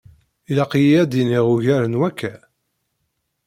Ilaq-yi ad d-iniɣ ugar n wakka?